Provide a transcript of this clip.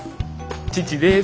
父です。